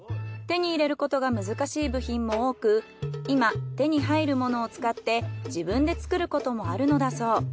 手に入れることが難しい部品も多く今手に入るものを使って自分で作ることもあるのだそう。